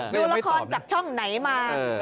ดูละครจากช่องไหนมา